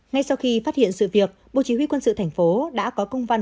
ngay sau khi phát hiện sự việc bộ chỉ huy quân sự thành phố đã có công văn